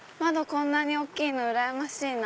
こんなに大きいのうらやましいな。